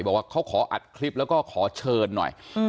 บอกว่าเขาขออัดคลิปแล้วก็ขอเชิญหน่อย